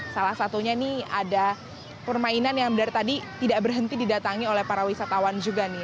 salah satunya nih ada permainan yang dari tadi tidak berhenti didatangi oleh para wisatawan juga nih